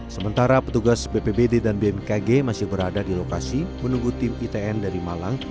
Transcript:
sementara petugas bpbd dan bmkg masih berada di lokasi menunggu tim itn dari malang